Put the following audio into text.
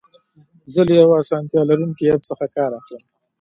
زه له یو اسانتیا لرونکي اپ څخه کار اخلم.